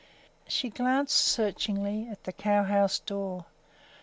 She glanced searchingly at the cow house door.